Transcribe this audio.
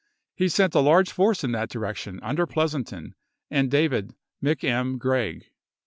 He sent a large force in that direction under Pleasonton and David McM. Gregg.